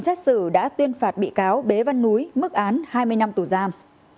xét xử đã tuyên phạt bị cáo bế văn núi mức án hai mươi năm tù giam